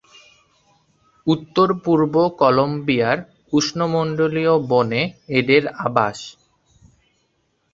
উত্তরপূর্ব কলম্বিয়ার উষ্ণমণ্ডলীয় বনে এদের আবাস।